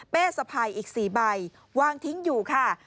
สะพายอีก๔ใบวางทิ้งอยู่ค่ะ